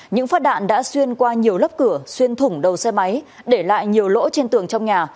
những phát đạn đã xuyên qua nhiều lớp cửa xuyên thủng đầu xe máy để lại nhiều lỗ trên tường trong nhà